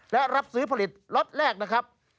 และรับซื้อผลิตล็อตแรกนะครับ